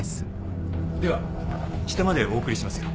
下までお送りしますよ。